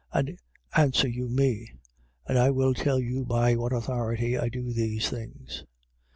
And answer you me: and I will tell you by what authority I do these things.